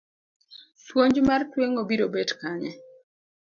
Puonj mar tweng'o biro bet kanye?